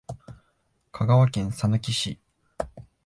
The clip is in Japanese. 香川県さぬき市